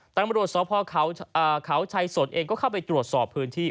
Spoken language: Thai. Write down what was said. ตำรวจสพเขาชัยสนเองก็เข้าไปตรวจสอบพื้นที่